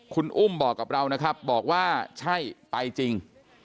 คุณอุ้มบอกกับเรานะครับบอกว่าใช่ไปจริง